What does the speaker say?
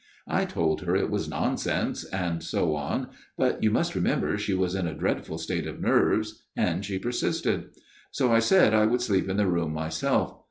I told her it was nonsense, and so on ; but you must remember she was in a dreadful state of nerves, and she persisted. So I said I would sleep in the room myself.